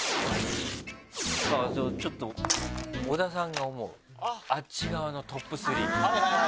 さぁじゃあちょっと小田さんが思うあっち側のトップ３。